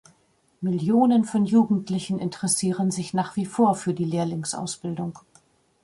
Millionen von Jugendlichen interessieren sich nach wie vor für die Lehrlingsausbildung.